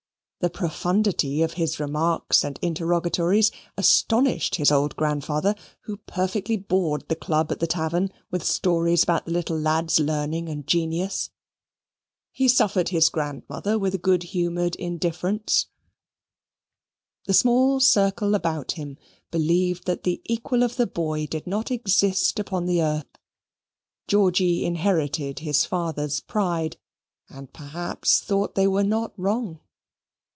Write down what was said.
The profundity of his remarks and interrogatories astonished his old grandfather, who perfectly bored the club at the tavern with stories about the little lad's learning and genius. He suffered his grandmother with a good humoured indifference. The small circle round about him believed that the equal of the boy did not exist upon the earth. Georgy inherited his father's pride, and perhaps thought they were not wrong.